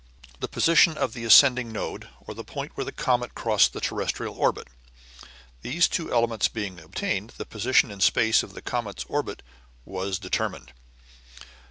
The position of the ascending node, or the point where the comet crossed the terrestrial orbit. These two elements being obtained, the position in space of the comet's orbit was determined. 3.